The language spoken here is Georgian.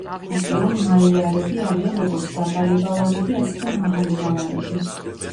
ასე რომ მაიარები არიან როგორც დაბალი ვალარები, ასევე მაღალი ვალარები.